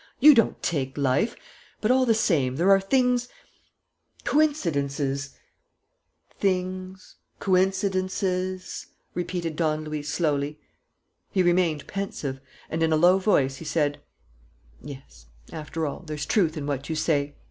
You don't take life!... But, all the same, there are things ... coincidences " "Things ... coincidences ..." repeated Don Luis slowly. He remained pensive; and, in a low voice, he said: "Yes, after all, there's truth in what you say....